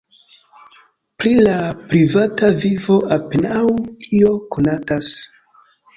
Pri la privata vivo apenaŭ io konatas.